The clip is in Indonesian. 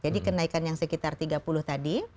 kenaikan yang sekitar tiga puluh tadi